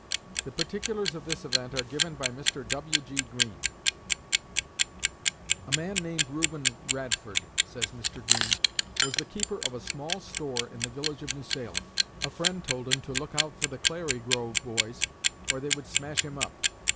The particulars of this event are given by Mr. W.G. Greene. "A man named Reuben Radford," says Mr. Greene, "was the keeper of a small store in the village of New Salem. A friend told him to look out for the 'Clary Grove boys' or they would smash him up.